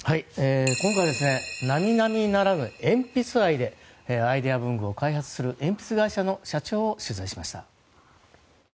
今回並々ならぬ鉛筆愛でアイデア文具を開発する鉛筆会社の社長を取材しました。